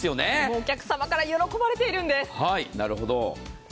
お客様から喜ばれているんです。